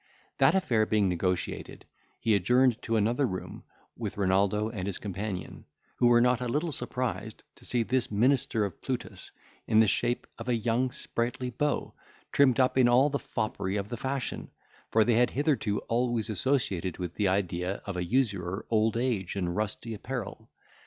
That affair being negotiated, he adjourned into another room with Renaldo and his companion, who were not a little surprised to see this minister of Plutus in the shape of a young sprightly beau, trimmed up in all the foppery of the fashion; for they had hitherto always associated with the idea of an usurer old age and rusty apparel.